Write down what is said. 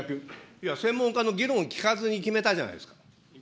いや、専門家の議論を聞かずに決めたじゃないですか。